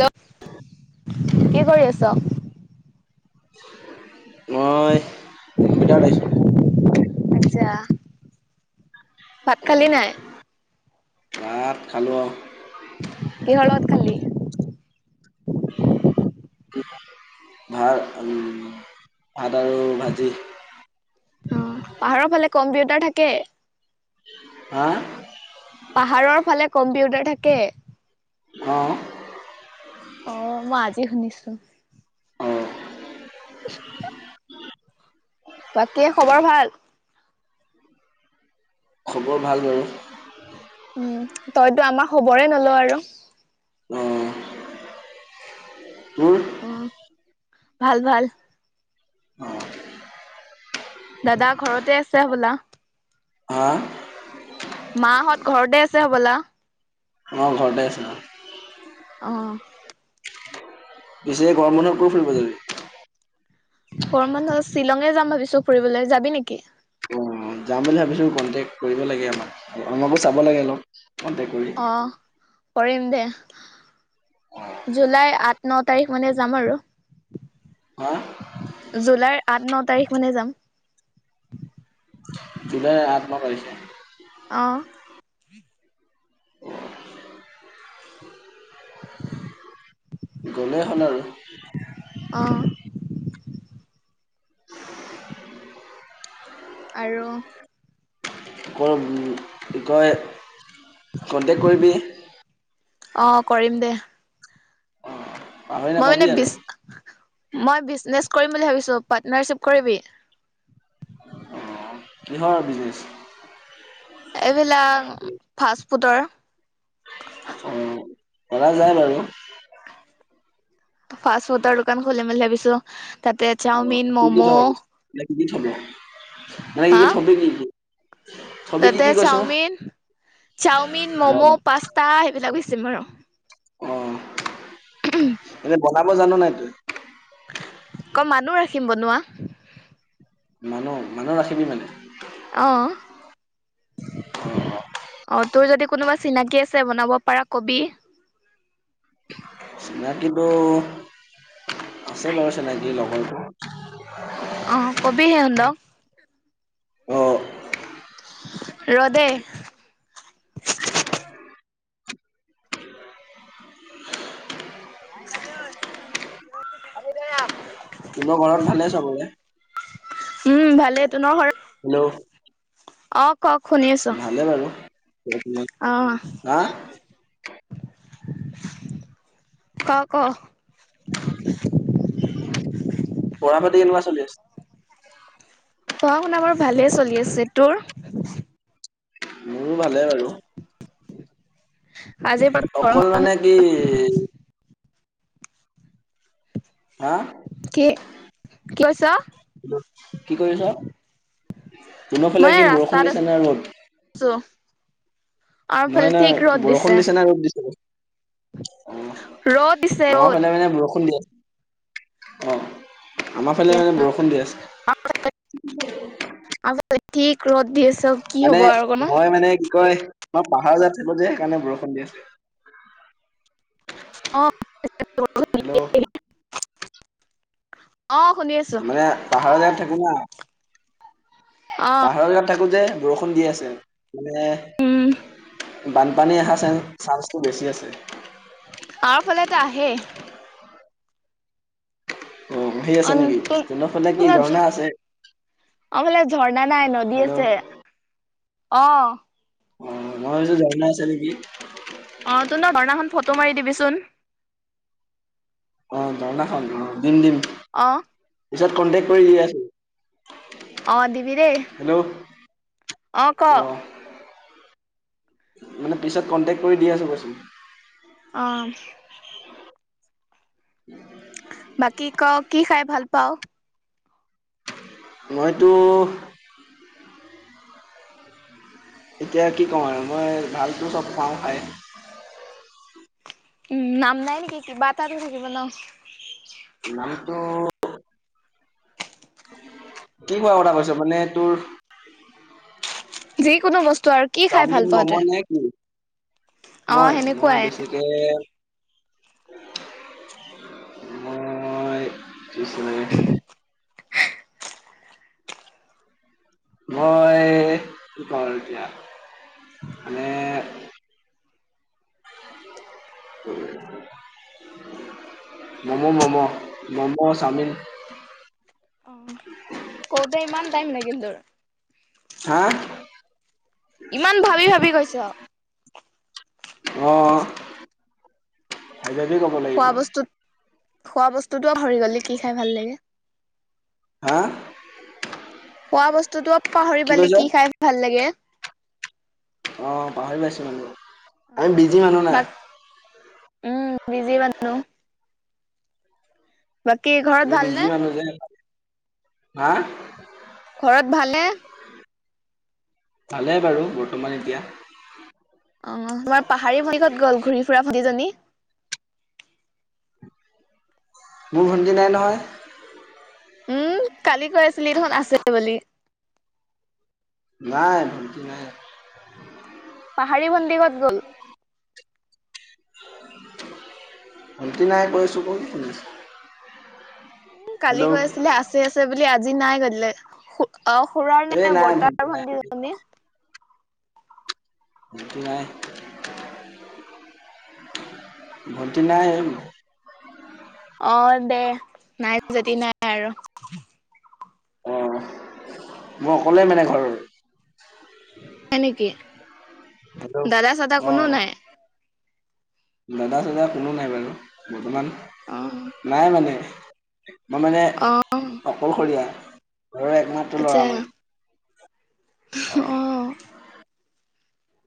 Hello কি কৰি আছো? মই কম্পিউটাৰত আহিছোঁ। আচ্ছা ভাত খালী নাই? ভাত খালোঁ। কিহৰ লগত খালি? ভাত উম। ভাত আৰু ভাজি। অ পাহাৰৰ ফালে কম্পিউটাৰ থাকে। হা? পাহাৰৰ ফালে কম্পিউটাৰ থাকে? অ'। অ', মই আজি শুনিছোঁ। অঁ [inaudible] বাকীই খবৰ ভাল? খবৰ ভাল বাৰু। উম তইতো আমাৰ খবৰে নল‌ও আৰু। অ'। তুৰ? অ ভাল ভাল। অঁ দাদা ঘৰতে আছে হ'বলা। হা। মাহঁত ঘৰতে আছে হ'বলা? অ', ঘৰতে আছে, অ'। অ'। পিছে গৰম বন্ধত ক'ত ফুৰিব যাবি? গৰম বন্ধত শ্বিলঙে যাম ভাবিছো ফুৰিবলৈ, যাবি নেকি? অ', যাম বুলি ভাবিছো কণ্টেক্ট কৰিব লাগে আমাক আমাকো চাব লাগে অলপ। কণ্টেক্ট কৰি অহ, কৰিম দে। জুলাই আঠ ন তাৰিখ মানে যাম আৰু। হা জুলাইৰ আঠ ন তাৰিখ মানে যাম। জুলাইৰ আঠ ন তাৰিখে। অ'। [inaudible] গ'লেই হল আৰু। অ'। আৰু। [inaudible] কি কয় কন্টেক্ট কৰিবি। অ কৰিম দে অঁ পাহৰি মই নাপাবি মানে আৰু বিচ মই বিজনেছ। কৰিম বুলি ভাবিছোঁ, পাৰ্টনাৰশ্বিপ কৰিবি? অ', কিহৰ বিজনেছ? এইবিলাক ফাষ্ট ফুডৰ অ কৰা যায় বাৰু ফাষ্ট ফুডৰ দোকান খুলিম বুলি ভাবিছো তাতে চাওমিন কি মম' কি থব মানে কি থবি মানে ই হা থবি কি? থবি কি তাতে কি কৈছো চাওমিন চাওমিন মম' অ', পাস্তা সেইবিলাক বেচিম আৰু অ এনেই বনাব জান নাই তই অ মানুহ ৰাখিম বনোৱা মানুহ মানুহ ৰাখিবি মানে আহ উ অ তোৰ যদি কোনোবা চিনাকি আছে বনাব পাৰা কবি চিনাকিতো আছে বাৰু চিনাকি লগৰটো অহ কবি সিহতক অ ৰ দেই [unintelligible] [unintelligible] তোমাৰ ঘৰত ভালেই চাবলৈ উম ভালে তোনৰ ঘৰ হেল্ল' অ কওক শুনি আছো ভালে বাৰু আহ হা ক ক পঢ়া পাতি কেনেকুৱা চলি আছে? পঢ়া শুনা বাৰু ভালে চলি আছে তোৰ? মোৰো ভালে বাৰু আজিৰ পৰা অকল গৰমত মানে কি হা কি কি কৈছ? হেল্ল কি কৰি আছ? তোহতৰ ফালে মই কি বৰষুণ ৰাস্তাত দিছে ন ৰ'দ? আছো আমাৰ ফালে নহয় ঠিক নহয় ৰ'দ বৰষুণ দিছে নে ৰদ দিছে? অ ৰ'দ দিছে আমাৰ ৰ'দ ফালে মানে বৰষুণ দি আছে অ আমাৰ ফালে মানে বৰষুণ দি আছে আগফালে ঠিক ৰ'দ দি আছে কি মানে হব আৰু অকমান হয় মানে কি কয় আমাৰ পাহাৰ যেগাত থাকো যে সেইকাৰণে বৰষুণ দি আছে অ হেল্ল' [unintelligible] আছো মানে পাহাৰত যেগাত থাকো না অ পাহাৰৰ যেগাত থাকো যে বৰষুণ দি আছে উম মানে বানপানী অহা চান চান্সটো বেছি আছে আমাৰ ফালেতে আহেই অ সেই অ আছে নেকি তোৰ তোহতৰ ফালে তোৰ কি ঝৰ্ণা আছে আমাৰ ফালে ঝৰ্ণা নাই নদী হেল্ল' আছে অ অ মই ভাবিছো ঝৰ্ণা আছে নেকি অ তু ন ঝৰ্ণাখন ফটো মাৰি দিবিচোন অ ঝৰ্ণাখন দিম দিম আহ পিছত কনটেক্ট কৰি দি আছো অ দিবি দেই হেল্ল' অ ক মানে পিছত কন্টেক্ট কৰি দি আছো কৈচো আহ [inaudible] বাকী ক কি খাই ভাল পাৱ? মইতো এতিয়া কি কম আৰু মই ভালটো চব পাওঁ খাই। উম নাম নাই নেকি? কিবা এটাটো থাকিব ন। নামটো কি খোৱা কথা কৈছ মানে তোৰ। যিকোনো বস্তু আৰু কি খাই ভাল চাওমিন পাওঁ তই মম' নে কি? অ মই, মই সেনেকুৱাই বেছিকে [unintelligible] মই [unintelligible] মই কি কওঁ আৰু এতিয়া। মানে উম [unintelligible] ম'ম' ম'ম', ম'ম' চাওমিন অ কওঁতে ইমান টাইম লাগিল তোৰ? হা ইমান ভাবি ভাবি কৈছ? অ, ভাবি ভাবি কব লাগিব। খোৱা বস্তুত খোৱা বস্তুটোও পাহৰি গলি কি খাই ভাল লাগে। হা খোৱা বস্তুটোও পাহৰি পালি কি খাই ভাল লাগে। অ পাহৰি পাইছো মানে, আমি বিজি মানুহ না। বাক উম বিজি মানুহ বাকী ঘৰত ওম ভালনে বিজি‌ মানুহ যে সেইকাৰণে, হা। ঘৰত ভালনে? ভালে বাৰু বৰ্তমান এতিয়া। অ তোমাৰ পাহাৰী ভণ্টি ক'ত গ'ল, ঘূৰি ফুৰা ভণ্টিজনী? মোৰ ভণ্টি নাই নহয়। উম, কালি কৈ আছিলি দেখোন আছে বুলি। নাই ভণ্টি নাই। [unintelligible] হাৰি ভণ্টি ক'ত গ'ল। ভণ্টি নাই কৈছোঁ ক'ত শুনিছ। উ কালি কৈ আছিলে আছে আছে বুলি আজি নাই কৰি দিলি। অ খুৰাৰ এই নে নাই ভণ্টি বৰতাৰ নাই। ভণ্টিজনী নাই ভণ্টি নাই অ দে নাই যদি নাই আৰু। অ, মই অকলে মানে ঘৰৰ। হয় নেকি, হেল্ল' দাদা চাদা কোনো অ'। নাই? দাদা চাদা কোনো নাই বাৰু বৰ্তমান অ নাই মানে। মই মানে অ অকলশৰীয়া। ঘৰৰ একমাত্ৰ ল'ৰা আচ্ছা মই। অ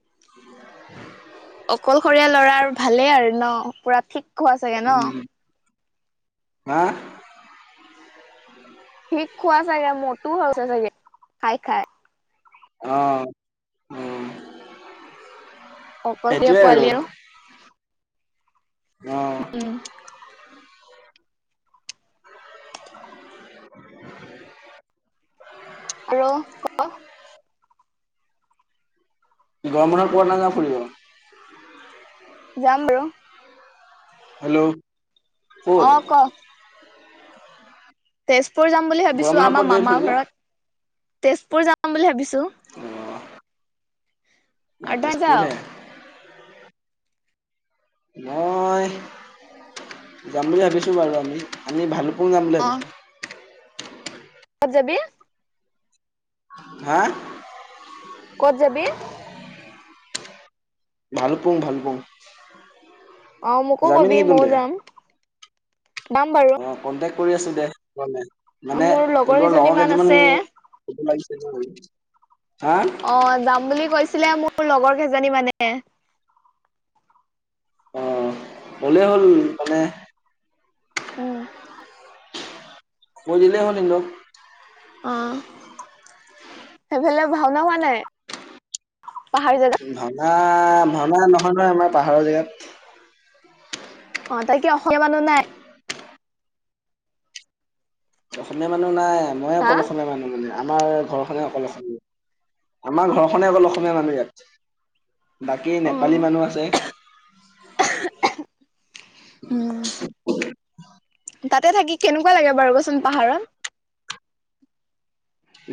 [inaudible] অকলশৰীয়া ল'ৰাৰ ভালেই আৰু ন পুৰা ঠিক খোৱা চাগে ন। উম, হা? ঠিক খোৱা চাগে, মটো হৈছা চাগে খাই খাই। আহ ও অকল শৰিয়া পোৱালিৰ আৰু। অ', উম। [inaudible] আৰু ক! গৰম বন্ধত কতো নাযাঅ' ফুৰিবলে? যাম বাৰু। হেল্ল'। ক'ত? অ' ক। তেজপুৰ যাম বুলি গৰম ভাবিছো বন্ধত আমাৰ ক'ত যাবি মামাৰ ফুৰিব? ঘৰত। তেজপুৰ যাম বুলি ভাবিছো। অ', অ' আৰু তই যাও তেজপুৰ হে। মই, যাম বুলি ভাবিছো বাৰু আমি আমি ভালুক পুং যাম বোলি অ ভাবিছো। ক'ত যাবি? হা? ক'ত যাবি? ভালকপুং ভালোকপুং। অ' মোকো কবি ময়ওঁ যাম। যাম বাৰু। অ', কন্টেক্ট কৰি আছো দে, [unintelligible] মানে মোৰ তোৰৰ কেইজনী লগৰ মান কেইজিমান আছে কব লাগিছে ন। অ' যাম বুলি কৈছিলে মোৰ লগৰ কেইজনী মানে। অ' হলেই হ'ল মানে উম। কৈ দিলে হ'ল সিহঁতক। অ', সেইফালে ভাওনা হোৱা নাই? পাহাৰ জেগা ভাওনা, ভাওনা নহয় নহয় আমাৰ পাহাৰৰ জেগাত। অ' তাত কি অসমীয়া মানুহ নাই? অসমীয়া মানুহ নাই, মই হা অকল অসমীয়া মানুহ মানে আমাৰ ঘৰখনে অকল অসমীয়া আমাৰ ঘৰখনে অকল অসমীয়া মানুহ ইয়াত। বাকী অ নেপালী মানুহ আছে। উম তাতে থাকি কেনেকুৱা লাগে বাৰু কচোন পাহাৰত?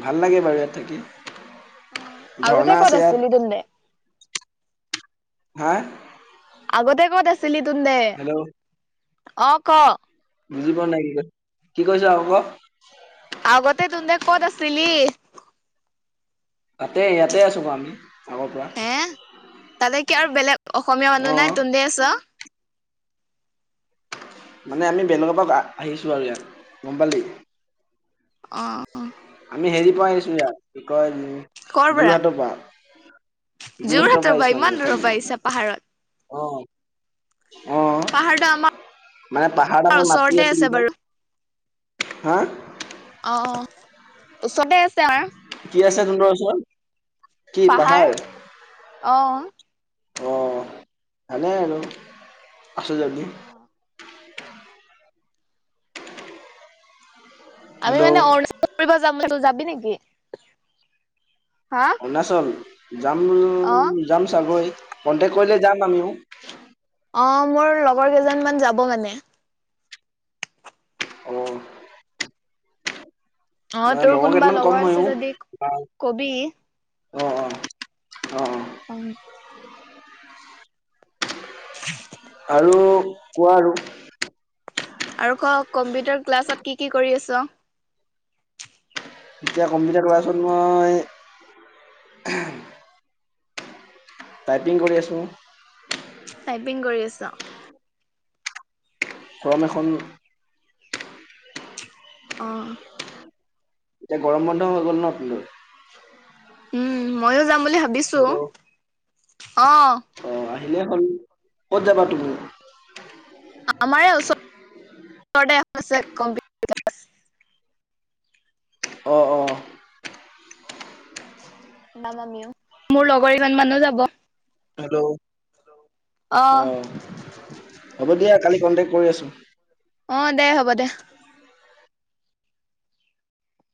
ভাল লাগে বাৰু ইয়াত থাকি। অ' আগতে ঝৰ্ণা ক'ত আছে ইয়াত আছিলি তেন্তে? হা? আগতে ক'ত আছিলি তেন্তে? হেল্ল' অ' ক'। বুজি পোৱা নাই কি কৈছ, কি কৈছ আকৌ ক। আগতে তহঁতে ক'ত আছিলি? তাতে ইয়াতে আছো আকৌ আমি আগৰ পৰা। হে তাতে কি আৰু বেলেগ অসমীয়া মানুহ অ নাই তুহতে আছ? মানে আমি বেলেগৰ পৰা আহিছো আৰু ইয়াত, গম পালি। অ' অ'। আমি হেৰি পৰা আহছো ইয়াত, কি কয় কৰ পৰা যোৰহাটৰ পৰা। যোৰহাটৰ পৰা আহিছো ইমান অমি দূৰৰ পৰা এইফালে, আহিছা পাহাৰত অ'। অ' পাহাৰটো আমাৰ মানে পাহাৰত আমাৰ মাটি ওচৰতে আছিল আছে যে। বাৰু হা অ। চবে আছে আৰু। কি আছে তহঁতৰ ওচৰত কি পাহাৰ? অ'। অ' ভালেই আৰু, আছ যদি। আমি মানে হেল্ল' অৰুণাচল ফুৰিব যাম [unintelligible] যাবি নেকি। হা অৰুণাচল, যাম অ যাম চাগৈ কনটেক্ট কৰিলে যাম আমিও। অ' মোৰ লগৰ কেইজন মান যাব মানে। অ' অ তোৰ কোনোবা লগৰ [unintelligible] আছে যদি অ কবি অ অ। অ ' [inaudible] আৰু কোৱা আৰু। আৰু ক কম্পিউটাৰ ক্লাছত কি কি কৰি আছ। এতিয়া কম্পিউটাৰ ক্লাছত মই। টাইপিং কৰি আছোঁ। টাইপিং কৰি আছ। ফৰম এখন। অ। এতিয়া গৰম বন্ধ হৈ গল ন [unintelligible] উম ময়ো যাম বুলি ভাবিছো। হেল্ল' অ' আহিলে হল, ক'ত যাবা তুমি। [unintelligible] অ- অ। [unintelligible] হেল্ল'। আহ। অ হ'ব দিয়া কালি কন্টেকট কৰি আছো। অ দে হ'ব দে